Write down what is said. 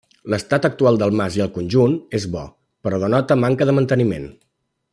L’estat actual del mas i el conjunt, és bo, però denota manca de manteniment.